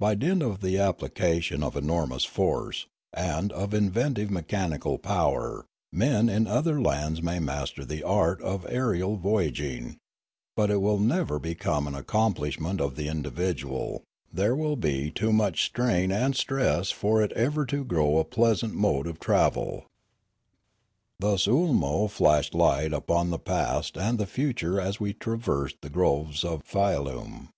By dint of the application of enormous force, and of inventive mechanical power, men in other lands may master the art of aerial voyag ing; but it will never become an accomplishment of the individual; there will be too much strain and stress for it ever to grow a pleasant mode of travel. Thus Oolmo flashed light upon the past and the future as we traversed the groves of Fialume.